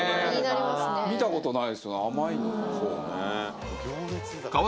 見たことないですよね甘いのかな